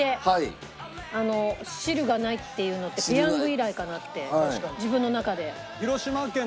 汁がないっていうのってペヤング以来かなって自分の中で。